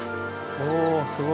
おすごい。